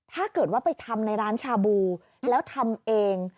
ถ้าเกิดว่าไปทำในร้านชาบูแล้วทำเอง